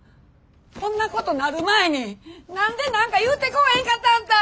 こんなことなる前に何で何か言うてこうへんかったんあんた！